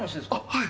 はい。